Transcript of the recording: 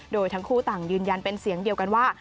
โดยทั้งคู่ต่างยืนยันเป็นเสียงเดียวกันว่า